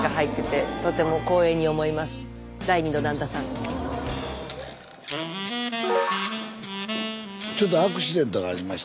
スタジオちょっとアクシデントがありまして。